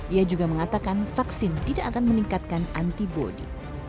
ia juga mengatakan vaksin tidak akan meningkatkan antibody